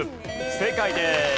正解です。